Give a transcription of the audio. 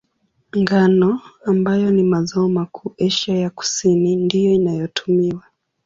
Ngano, ambayo ni mazao makuu Asia ya Kusini, ndiyo inayotumiwa.